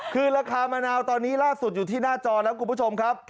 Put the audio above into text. คือราคามะนาวตอนนี้ล่าสุดอยู่ที่หน้าจอแล้วคุณผู้ชมครับ